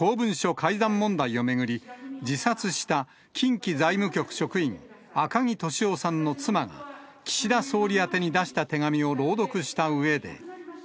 改ざん問題を巡り、自殺した近畿財務局職員、赤木俊夫さんの妻が、岸田総理宛てに出した手紙を朗読したうえで。